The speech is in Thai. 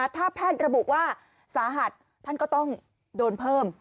ถ้าแพทย์ระบุว่าสาหัสท่านก็ต้องโดนเพิ่ม